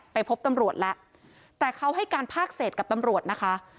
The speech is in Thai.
ไปพบตำรวจแล้วแต่เขาให้การภาคเศษกับตำรวจนะคะ